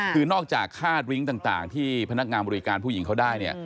คือนอกจากค่าดริ้งต่างที่พนักงานบริการผู้หญิงเขาได้เนี่ย